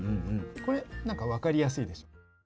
これなんか分かりやすいでしょ。